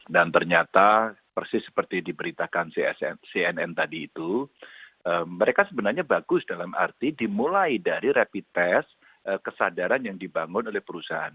dan ternyata persis seperti diberitakan cnn tadi itu mereka sebenarnya bagus dalam arti dimulai dari rapid test kesadaran yang dibangun oleh perusahaan